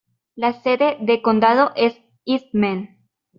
La sede de condado es Eastman.